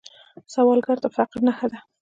سوالګر د فقر نښه ده